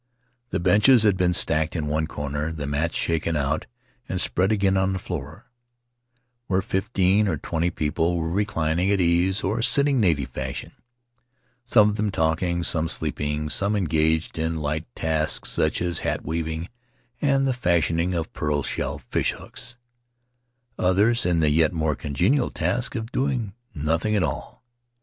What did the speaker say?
The benches had been stacked in one corner; the mats shaken out and spread again on the floor, where fifteen or twenty people were reclining at ease or sitting native fashion — some of them talking, some sleeping, some engaged in light tasks such as hat weaving and the fashioning of pearl shell fish hooks; others in the yet more congenial task of doing nothing at all.